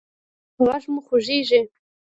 غاښ مو خوځیږي؟